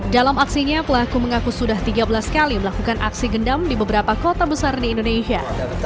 dalam aksinya pelaku mengaku sudah tiga belas kali melakukan aksi gendam di beberapa kota besar di indonesia